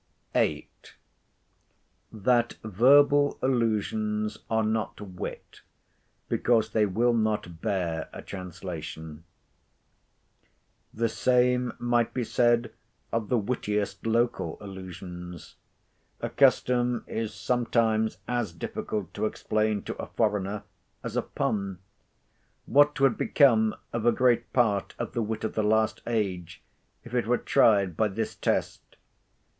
VIII.—THAT VERBAL ALLUSIONS ARE NOT WIT, BECAUSE THEY WILL NOT BEAR A TRANSLATION The same might be said of the wittiest local allusions. A custom is sometimes as difficult to explain to a foreigner as a pun. What would become of a great part of the wit of the last age, if it were tried by this test?